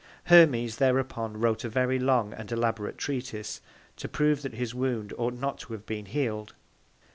Hermes thereupon wrote a very long and elaborate Treatise, to prove that his Wound ought not to have been heal'd.